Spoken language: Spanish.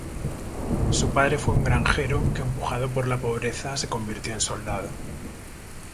Su padre fue un granjero que, empujado por la pobreza, se convirtió en soldado.